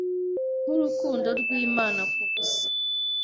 Nkurukundo rwImana kubusa